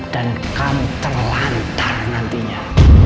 dan kamu terlantar nantinya